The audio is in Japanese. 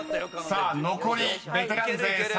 残りベテラン勢３人］